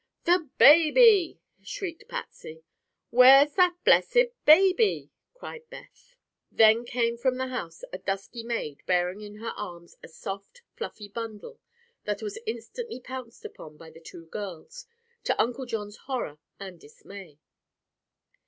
"The baby!" shrieked Patsy. "Where's that blessed baby?" cried Beth. Then came from the house a dusky maid bearing in her arms a soft, fluffy bundle that was instantly pounced upon by the two girls, to Uncle John's horror and dismay.